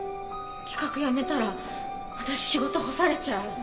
企画やめたら私仕事干されちゃう。